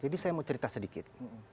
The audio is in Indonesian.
jadi saya mau cerita sedikit